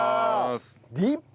ディップ。